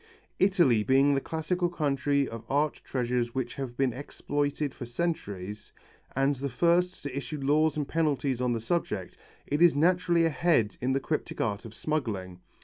Italy being the classical country of art treasures which have been exploited for centuries, and the first to issue laws and penalties on the subject, it is naturally ahead in the cryptic art of smuggling.